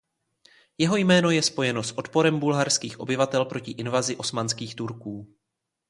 Jeho jméno je spojeno s odporem bulharských obyvatel proti invazi osmanských Turků.